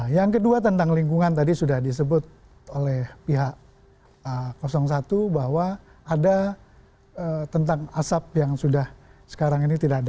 yang kedua tentang lingkungan tadi sudah disebut oleh pihak satu bahwa ada tentang asap yang sudah sekarang ini tidak ada